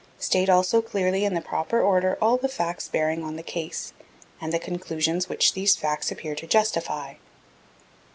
State also clearly in the proper order all the facts bearing on the case, and the conclusions which these facts appear to justify.